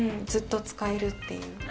ずっと使えるっていう。